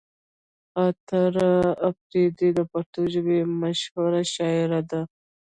خاطر اپريدی د پښتو ژبې مشهوره شاعر دی